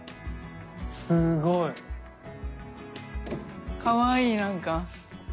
すごい。かわいいなんか。